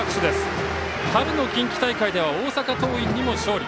春の近畿大会では大阪桐蔭にも勝利。